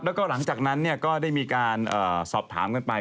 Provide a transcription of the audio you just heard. แล้วก็หลังจากนั้นก็ได้มีการสอบถามกันไป